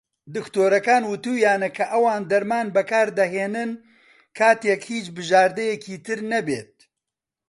دکتۆرەکان وتوویانە کە ئەوان دەرمان بەکار دەهێنن کاتێک "هیچ بژاردەیەکی تر نەبێت".